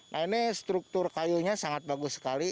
nah ini struktur kayunya sangat bagus sekali